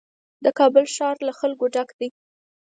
د کابل ښار له خلکو ډک دی.